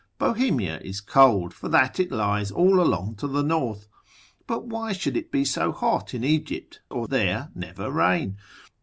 Bohemia is cold, for that it lies all along to the north. But why should it be so hot in Egypt, or there never rain?